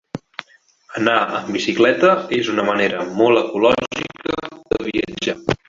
Anar en bicicleta és una manera molt ecològica de viatjar.